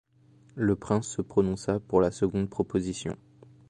Le prince se prononça pour la seconde proposition.